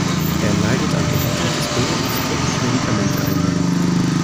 Er leidet an Hepatitis B und muss täglich Medikamente einnehmen.